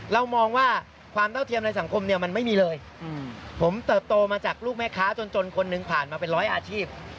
เรามองว่าความเท่าเทียมในสังคมเนี่ยมันไม่มีเลยผมเติบโตมาจากลูกแม่ค้าจนคนหนึ่งผ่านมาเป็นร้อยอาชีพ